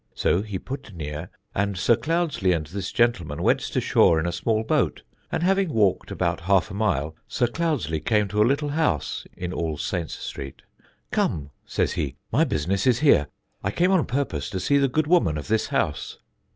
So he put near, and Sir Cloudesley and this gentleman went to shore in a small boat, and having walked about half a mile, Sir Cloudesley came to a little house [in All Saints Street], 'Come,' says he, 'my business is here; I came on purpose to see the good woman of this house.'